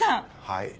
はい。